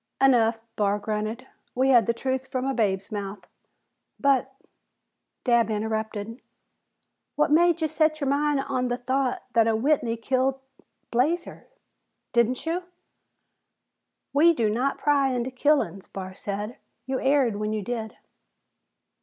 "Enough," Barr grunted. "We had the truth from a babe's mouth." "But " Dabb interrupted. "What made ye set your mind on the thought that a Whitney kil't Blazer?" "Didn't you?" "We do not pry into killin's," Barr said. "You erred when you did."